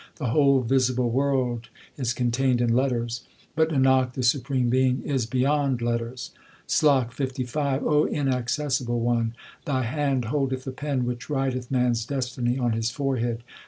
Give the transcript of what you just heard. The whole visible world is contained in letters ; But, Nanak, the Supreme Being is beyond letters. SLOK LV O inaccessible One, Thy hand holdeth the pen which writeth man s destiny on his forehead.